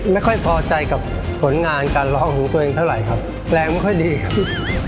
ไม่ค่อยพอใจกับผลงานการร้องของตัวเองเท่าไหร่ครับแรงไม่ค่อยดีครับ